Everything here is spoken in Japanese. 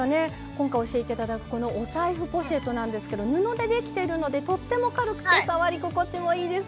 今回教えて頂くこのお財布ポシェットなんですけど布で出来てるのでとっても軽くて触り心地もいいです。